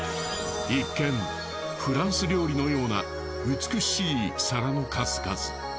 一見フランス料理のような美しい皿の数々。